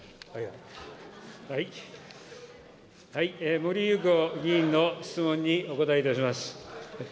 森ゆうこ議員の質問にお答えいたします。